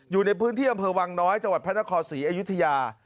อยู่ในพื้นที่อำเภอวังน้อยจังหวัดพระนครศรีอยุธยา